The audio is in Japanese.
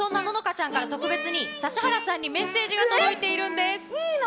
実はそんなののかちゃんから特別に指原さんにメッセージが届いているんです。